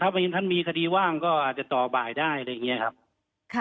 เพราะฉะนั้นท่านมีคดีว่างก็อาจจะต่อบ่ายได้อะไรอย่างนี้ครับ